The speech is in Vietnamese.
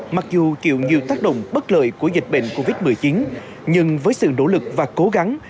mặc dù chịu nhiều tác động bất lợi của dịch bệnh covid một mươi chín nhưng với sự nỗ lực và cố gắng